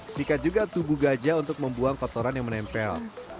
sikat juga tubuh gajah untuk membuang kotoran yang menempel